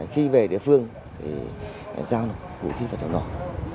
khi về địa phương thì giao nộp vũ khí vào chỗ ngồi